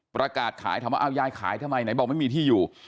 ประกาศขายถามว่าเอายายขายทำไมไหนบอกไม่มีที่อยู่